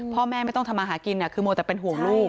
ไม่ต้องทำมาหากินคือมัวแต่เป็นห่วงลูก